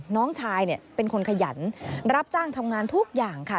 น้องชายเป็นคนขยันรับจ้างทำงานทุกอย่างค่ะ